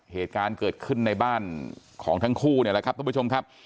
เหตุการณ์เกิดขึ้นในบ้านของทั้งคู่เนี่ยแหละครับทุกผู้ชมครับ